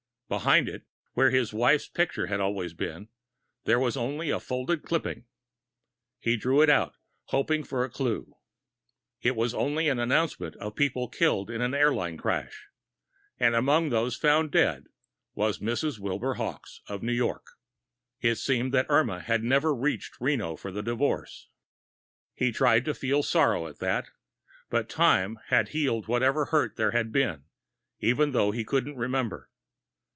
Behind it, where his wife's picture had always been, there was only a folded clipping. He drew it out, hoping for a clew. It was only an announcement of people killed in an airplane crash and among those found dead was Mrs. Wilbur Hawkes, of New York. It seemed that Irma had never reached Reno for the divorce. He tried to feel some sorrow at that, but time must have healed whatever hurt there had been, even though he couldn't remember.